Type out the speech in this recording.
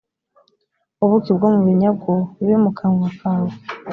ubuki bwo mu binyagu bube mu kanwa kawe